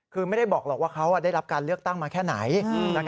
คือไม่ได้บอกหรอกว่าเขาได้รับการเลือกตั้งมาแค่ไหน